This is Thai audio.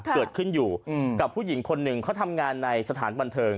เกิดขึ้นอยู่กับผู้หญิงคนหนึ่งเขาทำงานในสถานบันเทิง